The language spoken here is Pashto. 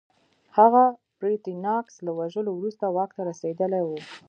هغه پرتیناکس له وژلو وروسته واک ته رسېدلی و